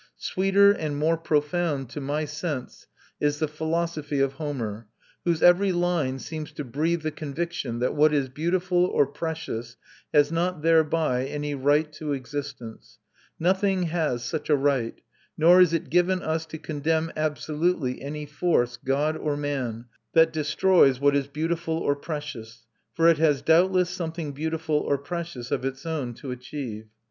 Sweeter and more profound, to my sense, is the philosophy of Homer, whose every line seems to breathe the conviction that what is beautiful or precious has not thereby any right to existence; nothing has such a right; nor is it given us to condemn absolutely any force god or man that destroys what is beautiful or precious, for it has doubtless something beautiful or precious of its own to achieve.